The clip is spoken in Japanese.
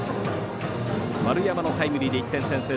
丸山のタイムリーで１点先制。